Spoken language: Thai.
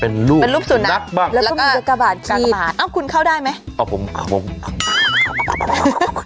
เป็นรูปสุนัขบ้างแล้วก็มีกระบาดขีดเอ้าคุณเข้าได้ไหมเอ้าผมเอ้าผม